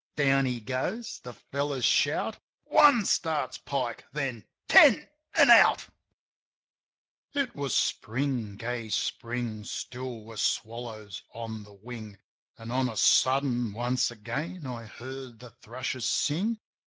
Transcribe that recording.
Down he goes; the fellows shout. "One !" starts Pike, then ... "Ten— an' out !" It was Spring, gay Spring. Still were swallows on the wing. An', on a sudden, once again I heard the thrushes sing.